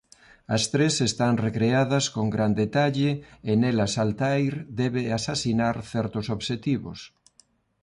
As tres están recreadas con gran detalle e nelas Altair debe asasinar certos obxectivos.